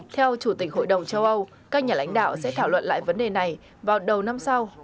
theo chủ tịch hội đồng châu âu các nhà lãnh đạo sẽ thảo luận lại vấn đề này vào đầu năm sau